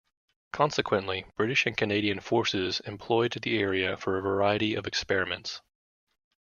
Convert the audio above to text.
Consequently, British and Canadian forces employed the area for a variety of experiments.